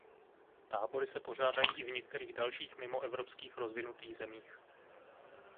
Tábory se pořádají i v některých dalších mimoevropských rozvinutých zemích.